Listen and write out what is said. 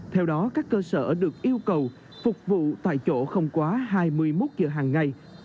theo đó các cơ sở được yêu cầu phục vụ tại chỗ không quá hai mươi một giờ hàng ngày